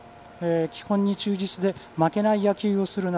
基本に忠実で負けない野球をするな。